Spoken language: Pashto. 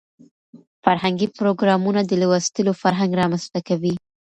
فرهنګي پروګرامونه د لوستلو فرهنګ رامنځته کوي.